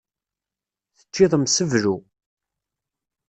Teččiḍ mseblu.